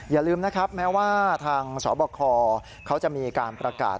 อย่าลืมนะครับแม้ว่าทางสบคเขาจะมีการประกาศ